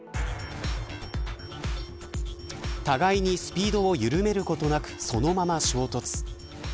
互いにスピードを緩めることなくそのまま衝突。